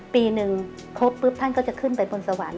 ปีหนึ่งครบปุ๊บท่านก็จะขึ้นไปบนสวรรค์